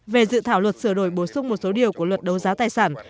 về dự thảo luật sửa đổi bổ sung một số điều của luật đấu giá tài sản